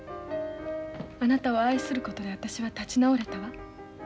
あなたを愛することで私は立ち直れたわ。